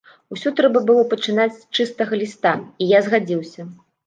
Усё трэба было пачынаць з чыстага ліста, і я згадзіўся.